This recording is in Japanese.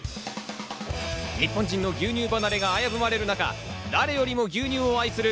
日本人の牛乳離れが危ぶまれる中、誰よりも牛乳を愛する